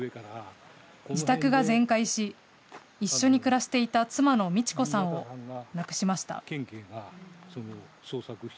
自宅が全壊し、一緒に暮らしていた妻の路子さんを亡くしました。